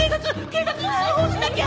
警察に通報しなきゃ！